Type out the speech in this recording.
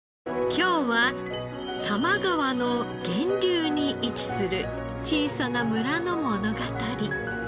今日は多摩川の源流に位置する小さな村の物語。